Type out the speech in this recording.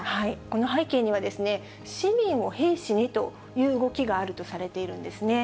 この背景には、市民を兵士にという動きがあるとされているんですね。